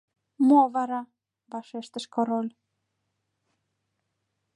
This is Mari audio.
— Мо вара, — вашештыш король.